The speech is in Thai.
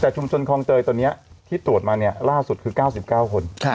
แต่ชุมชนคลองเตยตอนนี้ที่ตรวจมาเนี่ยล่าสุดคือ๙๙คน